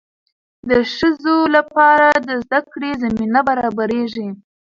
د ښځو لپاره د زده کړې زمینه برابریږي.